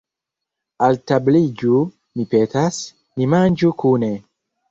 Altabliĝu, mi petas, ni manĝu kune.